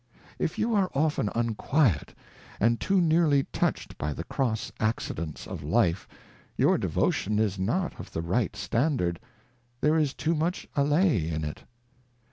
If you are often unquiet, and too nearly touch 'd by the cross Accidents of Life, your Devotion is not of the right Standard ; there is too much Allay in it.